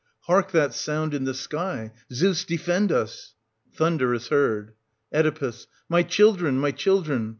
— Hark that sound in the sky 1 — Zeus defend us ! [Thtmder is heard. Oe. My children, my children